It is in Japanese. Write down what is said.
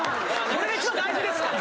これが一番大事ですから。